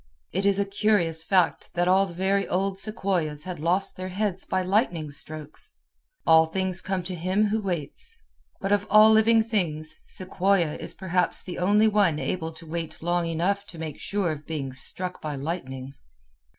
It is a curious fact that all the very old sequoias had lost their heads by lightning strokes. "All things come to him who waits." But of all living things, sequoia is perhaps the only one able to wait long enough to make sure of being struck by lightning.